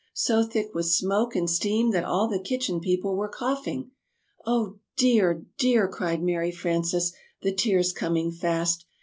So thick with smoke and steam that all the Kitchen People were coughing. "Oh, dear! dear!" cried Mary Frances, the tears coming fast.